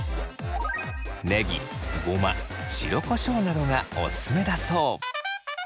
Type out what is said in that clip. ねぎごま白こしょうなどがおすすめだそう。